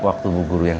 waktu bu guru yang